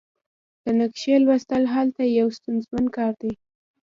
د نقشې لوستل هلته یو ستونزمن کار دی